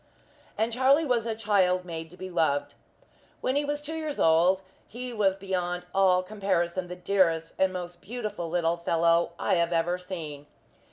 And Charlie was a child made to be loved. When he was two years old he was beyond all comparison the dearest and most beautiful little fellow I have ever seen.